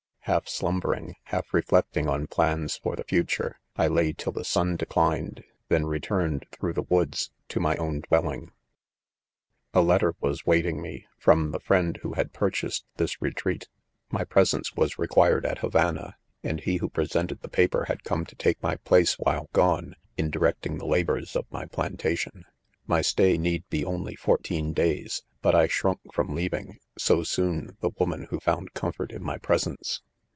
Half slumbering, half reflecting on plans for the future, I lay till the sun declined ; then returned through the woods ioMij own dwelling.. /" A letter was waiting me, from the friend 1 who had purchased this retreat. My presence THE CATASTROPHE, I9f %^as required at Havana, and he who present* ed the paper, had come to take my place while gone, in directing the labors of my plantation, "My stay need be only fourteen days, but I shrunk from leaving, so soon, the woman who found comfort in my presence.